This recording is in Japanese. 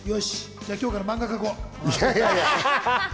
じゃあ、今日から漫画描こう！